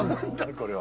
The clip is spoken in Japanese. これは。